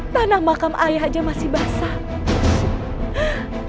tanah makam ayah aja masih basah